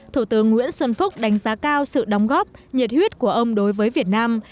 thủ tướng nguyễn xuân phúc đánh giá cao sự đóng góp nhiệt huyết của ông đối với việt nam